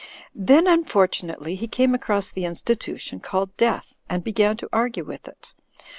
Then, unfortunately, he came across the institution called Death, and began to argue with it.